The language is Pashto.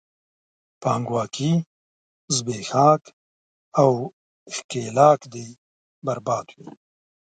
پانګواکي، زبېښاک او ښکېلاک دې برباد وي!